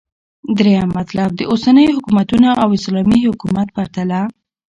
دريم مطلب - داوسنيو حكومتونو او اسلامې حكومت پرتله